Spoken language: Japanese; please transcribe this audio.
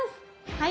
はい。